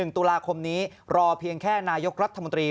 ๑ตุลาคมนี้รอเพียงแค่นายกรัฐมนตรี